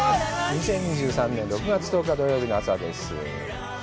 ２０２３年６月１０日、土曜日の朝です。